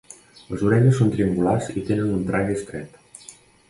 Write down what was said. Les orelles són triangulars i tenen un trague estret.